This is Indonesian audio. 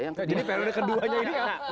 jadi periode keduanya ini pak